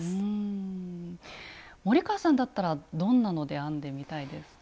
森川さんだったらどんなので編んでみたいですか？